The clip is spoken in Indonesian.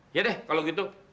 iya deh kalau gitu